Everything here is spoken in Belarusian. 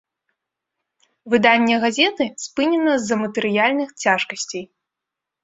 Выданне газеты спынена з-за матэрыяльных цяжкасцей.